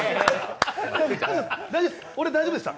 大丈夫、俺大丈夫でした。